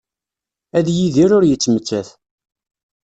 Ad yidir ur yettmettat.